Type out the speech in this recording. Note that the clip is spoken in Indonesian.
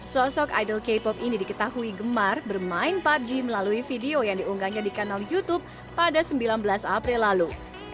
sosok idol k pop ini diketahui gemar bermain pubg melalui video yang diunggahnya di kanal youtube pada sembilan belas april lalu